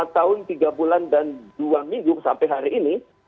lima tahun tiga bulan dan dua minggu sampai hari ini